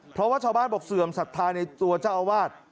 เพราะว่าชาวบ้านบอกเสื่อมศรัทธาในตัวเจ้าอาวาส